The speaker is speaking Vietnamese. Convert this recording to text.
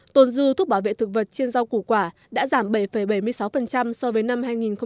tồn dư thuốc bảo vệ thực vật trên rau củ quả đã giảm bảy bảy mươi sáu so với năm hai nghìn một mươi bảy